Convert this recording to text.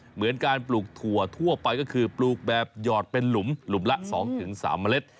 เหมือนการปลูกถั่วทั่วไปก็คือปลูกแบบหยอดเป็นหลุมหลุมละ๒๓เมล็ด